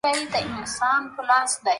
فشار کم شي.